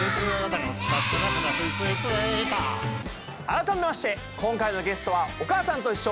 改めまして今回のゲストは「おかあさんといっしょ」